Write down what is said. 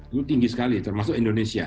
itu tinggi sekali termasuk indonesia